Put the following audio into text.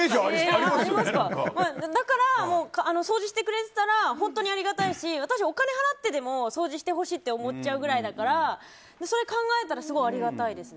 だから、掃除してくれてたら本当にありがたいし私、お金払ってでも掃除してほしいって思っちゃうぐらいだからそれを考えたらすごいありがたいです。